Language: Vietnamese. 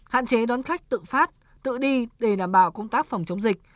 hạn chế đón khách tự phát tự đi để đảm bảo công tác phòng chống dịch